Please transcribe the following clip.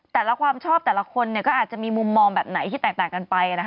แต่ละความชอบแต่ละคนก็อาจจะมีมุมมองแบบไหนที่แตกต่างกันไป